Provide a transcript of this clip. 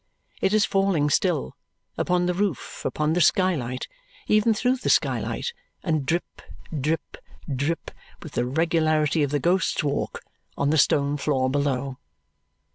It is falling still; upon the roof, upon the skylight, even through the skylight, and drip, drip, drip, with the regularity of the Ghost's Walk, on the stone floor below.